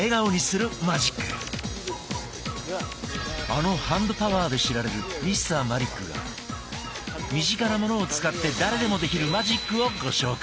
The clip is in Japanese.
あのハンドパワーで知られるＭｒ．マリックが身近なものを使って誰でもできるマジックをご紹介！